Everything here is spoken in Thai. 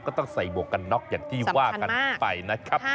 ต้องใส่หมวกกันน็อกอย่างที่ว่ากันไปนะครับ